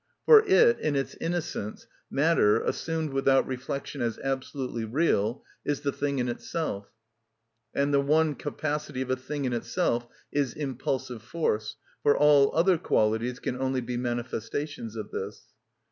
For it, in its innocence, matter, assumed without reflection as absolutely real, is the thing in self, and the one capacity of a thing in itself is impulsive force, for all other qualities can only be manifestations of this.